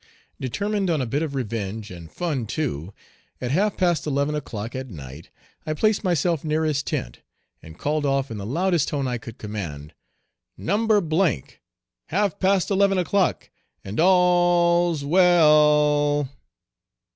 Determined on a bit of revenge, and fun too, at half past eleven o'clock at night I placed myself near his tent, and called off in the loudest tone I could command, "No. half past eleven o'clock, and all l l l's well l l!"